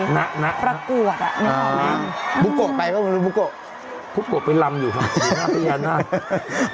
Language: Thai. นักนะประเกิดอะอ๋อบุโกไปหรือเป็นบุโกบุโกไปลำอยู่ค่ะอยู่นัพยานาค